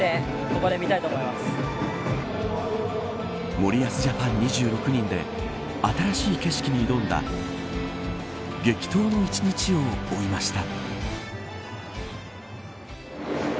森保ジャパン２６人で新しい景色に挑んだ激闘の１日を追いました。